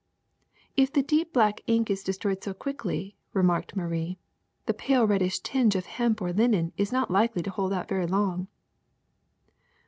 '' ''If the deep black of ink is destroyed so quickly,'' remarked Marie, ''the pale reddish tinge of hemp or linen is not likely to hold out very long.